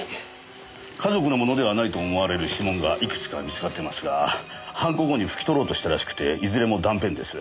家族のものではないと思われる指紋がいくつか見つかってますが犯行後に拭き取ろうとしたらしくていずれも断片です。